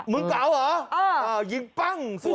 เมืองเกาหรออ่ายิงปั้ง